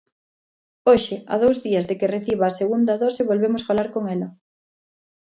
Hoxe, a dous días de que reciba a segunda dose volvemos falar con ela.